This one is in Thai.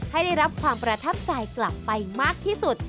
ให้ได้รับความประทับใจกลับไปมากที่สุด